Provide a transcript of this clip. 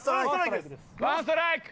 ワンストライク。